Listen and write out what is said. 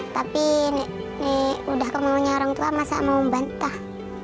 tapi nek nek udah kemauannya orang tua masa mau bantah